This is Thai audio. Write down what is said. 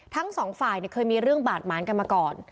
ทั้งสองฝ่ายเคยมีเรื่องบาดหมางกันมาก่อน